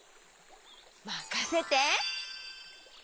まかせて！